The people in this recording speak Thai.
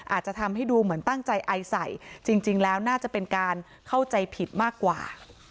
อาจจะทำให้ดูเหมือนตั้งใจไอใส่จริงแล้วน่าจะเป็นการเข้าใจผิดมากกว่า